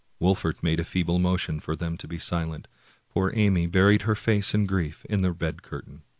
Wolfert made a feeble motion for them to be silent. Poor Amy buried her face and her grief in the bed curtain.